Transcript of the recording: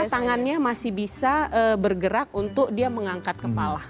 karena tangannya masih bisa bergerak untuk dia mengangkat kepala